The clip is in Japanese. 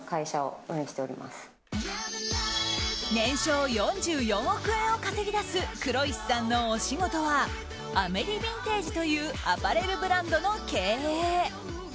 年商４４億円を稼ぎ出す黒石さんのお仕事はＡｍｅｒｉＶＩＮＴＡＧＥというアパレルブランドの経営。